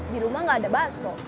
di rumah gak ada basso